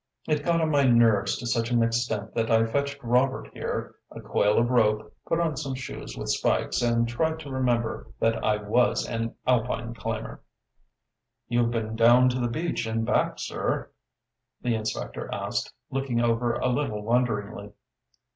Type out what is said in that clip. It got on my nerves to such an extent that I fetched Robert here, a coil of rope, put on some shoes with spikes and tried to remember that I was an Alpine climber." "You've been down to the beach and back, sir?" the inspector asked, looking over a little wonderingly.